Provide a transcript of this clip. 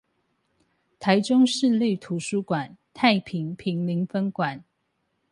臺中市立圖書館太平坪林分館